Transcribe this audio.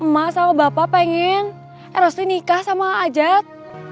masa lo bapak pengen eros tuh nikah sama a a j a t